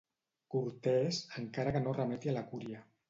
Cortès, encara que no remeti a la cúria.